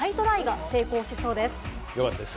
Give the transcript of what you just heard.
よかったです。